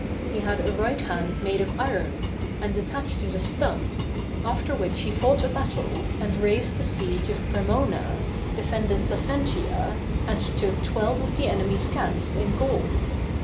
He had a right hand made of iron, and attached to the stump, after which he fought a battle, and raised the siege of Cremona, defended Placentia, and took twelve of the enemy's camps in Gaul.